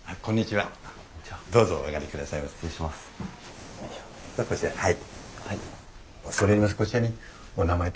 はい。